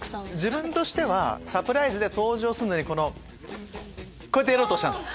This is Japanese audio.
自分としてはサプライズで登場するのにこうやってやろうとしたんです。